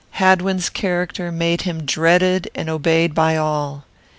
Hadwin's character made him dreaded and obeyed by all.